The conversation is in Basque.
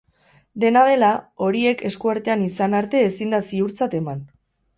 Dena dela, horiek esku artean izan arte ezin da ziurtzat eman.